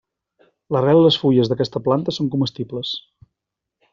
L'arrel i les fulles d'aquesta planta són comestibles.